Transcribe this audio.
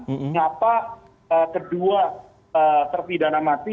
kenapa kedua terbidana masri